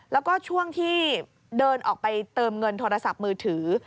แล้วก็ช่วงที่เดินออกไปเติมเงินโทรศัพท์มือถือ